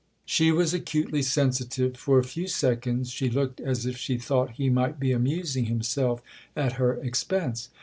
She was acutely sensitive ; for a few seconds she looked as if she thought he might be amusing himself at her expense.